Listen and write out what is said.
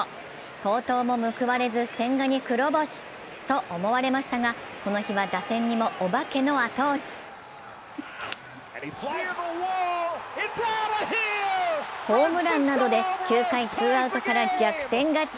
好投も報われず千賀に黒星と思われましたがこの日は打線にも、お化けの後押しホームランなどで９回ツーアウトから逆転勝ち。